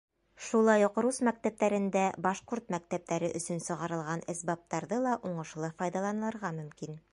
Шулай уҡ рус мәктәптәрендә башҡорт мәктәптәре өсөн сығарылған әсбаптарҙы ла уңышлы файҙаланырға мөмкин.